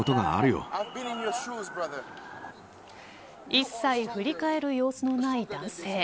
一切振り返る様子のない男性。